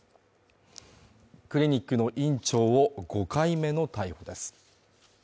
クリニックの院長を５回目の逮捕です。